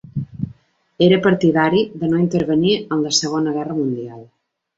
Era partidari de no intervenir en la Segona Guerra Mundial.